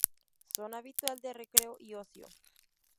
Zona habitual de recreo y ocio.